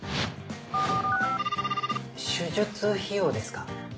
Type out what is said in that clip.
手術費用ですか？